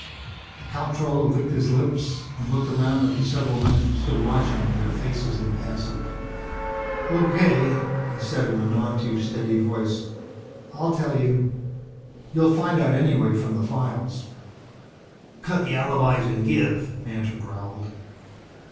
The comptroller licked his lips and looked around at the several men who stood watching, their faces impassive. "Okay," he said in a none too steady voice. "I'll tell you. You'd find out anyway from the files." "Cut the alibis and give," Mantor growled.